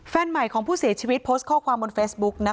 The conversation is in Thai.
แฟนใหม่ของผู้เสียชีวิตโพสต์ข้อความบนเฟซบุ๊กนะคะ